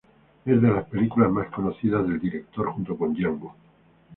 Es de las películas más conocidas del director junto con Django.